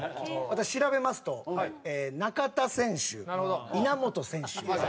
調べますと中田選手稲本選手本田選手。